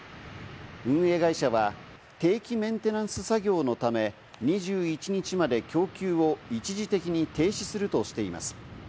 運営会社は定期メンテナンス作業のため２１日まで供給を一時的に停止するとしています。